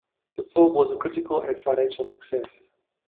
The film was a critical and financial success.